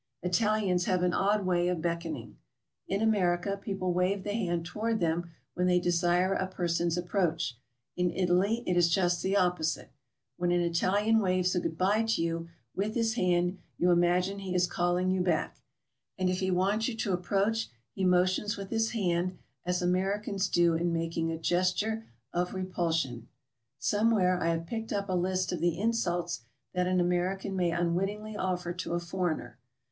Italians have an odd way of beckoning. In America people wave the hand toward them when they desire a person's approach; in Italy it is just the opposite. When an Italian waves a goodby to you with his hand you imagine he is calling you back, and if he wants you to approach he motions with his hand as Americans do in making a gesture of repulsion. Somewhere I have picked up a list of the insults that an American may unwittingly offer to a foreigner.